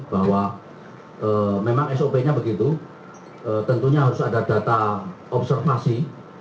bahwa memang sop nya begitu tentunya harus ada data observasi